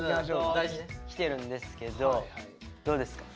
きてるんですけどどうですか？